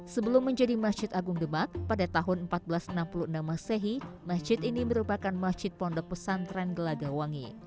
sebelum menjadi masjid agung demak pada tahun seribu empat ratus enam puluh enam masehi masjid ini merupakan masjid pondok pesantren gelagawangi